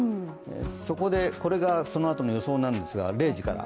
そこで、これがこのあとの予報なんですが０時から。